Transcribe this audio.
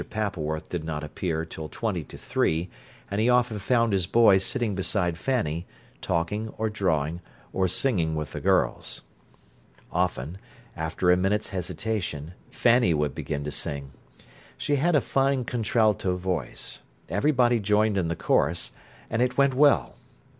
Pappleworth did not appear till twenty to three, and he often found his boy sitting beside Fanny, talking, or drawing, or singing with the girls. Often, after a minute's hesitation, Fanny would begin to sing. She had a fine contralto voice. Everybody joined in the chorus, and it went well.